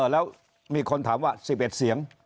แล้วมีคนถามว่า๑๑เสียง